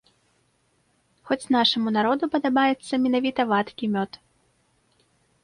Хоць нашаму народу падабаецца менавіта вадкі мёд.